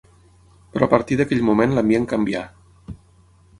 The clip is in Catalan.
Però a partir d'aquell moment l'ambient canvià